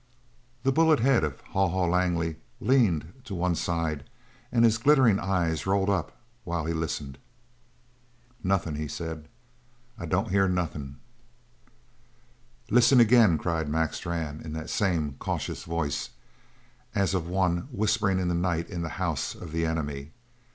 The bullet head of Haw Haw Langley leaned to one side, and his glittering eyes rolled up while he listened. "Nothin'!" he said, "I don't hear nothin'!" "Listen again!" cried Mac Strann in that same cautious voice, as of one whispering in the night in the house of the enemy.